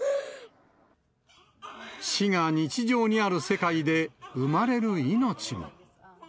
死が日常にある世界で産まれる命も。